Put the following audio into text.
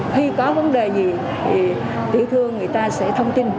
khi có vấn đề gì thì tiểu thương người ta sẽ thông tin